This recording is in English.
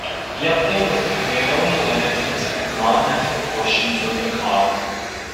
The update was primarily limited to the non-metal portions of the car.